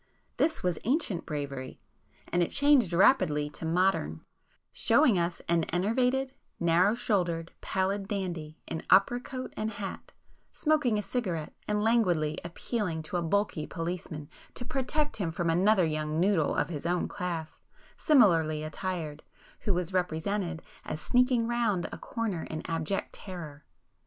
This was 'Ancient Bravery,'—and it changed rapidly to 'Modern,' showing us an enervated, narrow shouldered, pallid dandy in opera coat and hat, smoking a cigarette and languidly appealing to a bulky policeman to protect him from another young noodle of his own class, similarly attired, who was represented as sneaking round a corner in abject terror.